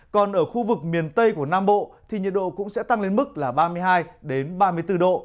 còn ở khu vực miền tây của nam bộ thì nhiệt độ cũng sẽ tăng lên mức là ba mươi hai ba mươi bốn độ